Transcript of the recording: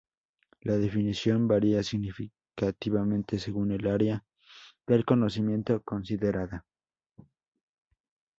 La definición varía significativamente según el área del conocimiento considerada.